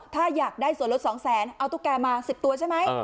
ถ้าอยากได้ส่วนลด๒แสนเอาตุ๊กแกมา๑๐ตัวใช่ไหม